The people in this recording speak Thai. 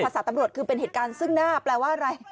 สาตำรวจคือเป็นเหตุการณ์ซึ่งหน้าแปลว่าอะไร